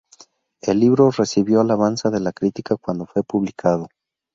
El libro recibió alabanza de la crítica cuando fue publicado.